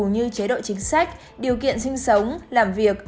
như chế độ chính sách điều kiện sinh sống làm việc